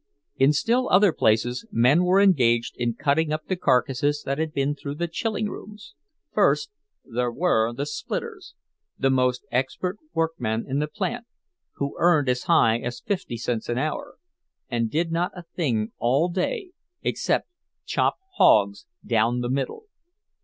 In still other places men were engaged in cutting up the carcasses that had been through the chilling rooms. First there were the "splitters," the most expert workmen in the plant, who earned as high as fifty cents an hour, and did not a thing all day except chop hogs down the middle.